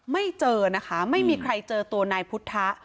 ไม่เจอนะคะไม่มีใครเจอตัวนายพุทธะ